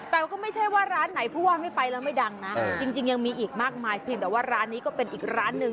แต่ก็ไม่ใช่ว่าร้านไหนผู้ว่าไม่ไปแล้วไม่ดังนะจริงยังมีอีกมากมายเพียงแต่ว่าร้านนี้ก็เป็นอีกร้านหนึ่ง